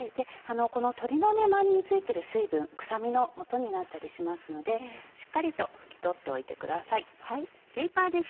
鶏の周りに付いてる水分臭みのもとになったりしますのでしっかりと拭き取っておいてください。